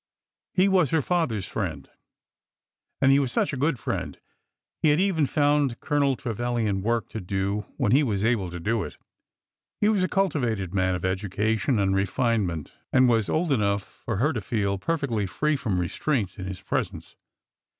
He was her father's friend, — and he was such a good friend ! He had even found Colonel Trevilian work to do when he was able to do it ; he was a cultivated man of education and refinement, and was old enough for her to feel perfectly free from restraint in his presence.